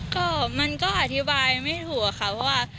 ก็มันก็อธิบายไม่ถูกค่ะเพราะว่า